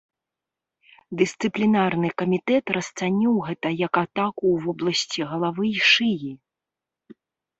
Дысцыплінарны камітэт расцаніў гэта як атаку ў вобласці галавы і шыі.